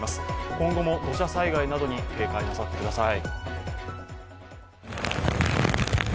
今後も土砂災害などに警戒なさってください。